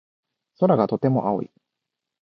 空がとても青い。